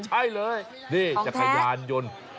นี่จักรยานยนต์